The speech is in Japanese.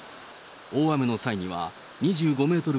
大雨の際には２５メートル